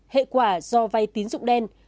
hệ quả do vai tín dụng đen